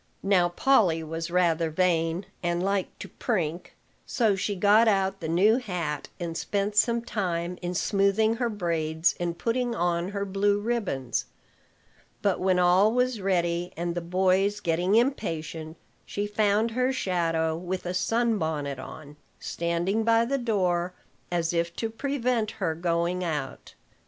Now Polly was rather vain, and liked to prink; so she got out the new hat, and spent some time in smoothing her braids and putting on her blue ribbons. But when all was ready, and the boys getting impatient, she found her shadow, with a sun bonnet on, standing by the door, as if to prevent her going out.